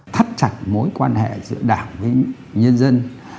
thắt chặt mối quan hệ giữa đảng với nhân dân